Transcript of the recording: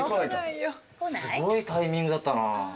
すごいタイミングだったな。